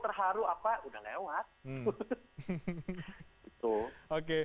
terharu apa udah lewat